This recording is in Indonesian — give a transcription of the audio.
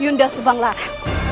yunda subang lara